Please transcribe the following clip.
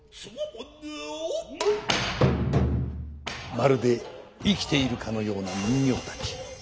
まるで生きているかのような人形たち。